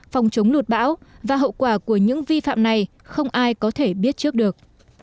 phòng chống lụt bão và hậu quả của những vi phạm này không ai có thể biết trước được